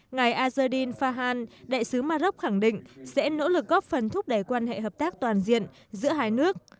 ngài azerin fahan đại sứ maroc khẳng định sẽ nỗ lực góp phần thúc đẩy quan hệ hợp tác toàn diện giữa hai nước